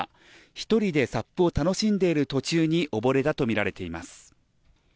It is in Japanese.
１人で「サップ」を楽しんでいる途中に溺れたとみられています。